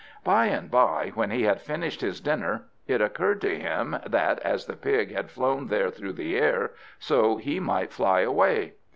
By and by, when he had finished his dinner, it occurred to him that as the pig had flown there through the air, so he might fly away.